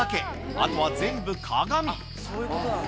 あとは全部鏡。